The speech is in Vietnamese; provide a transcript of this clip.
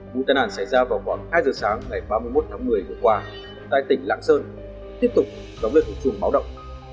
vụ tai nạn xảy ra vào khoảng hai giờ sáng ngày ba mươi một tháng một mươi vừa qua tại tỉnh lạng sơn tiếp tục đóng lên hồi chuông báo động